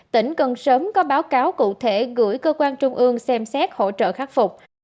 tỉnh cần sớm có báo cáo cụ thể gửi cơ quan trung ương xem xét hỗ trợ khắc phục